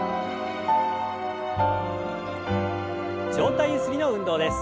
上体ゆすりの運動です。